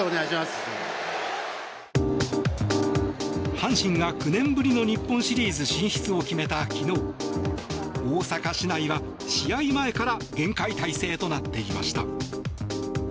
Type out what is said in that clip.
阪神が９年ぶりの日本シリーズ進出を決めた昨日大阪市内は試合前から厳戒態勢となっていました。